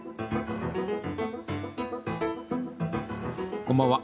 こんばんは。